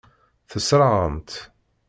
Tessṛeɣ-am-tt.